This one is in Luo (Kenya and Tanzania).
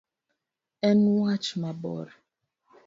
En wach mabor.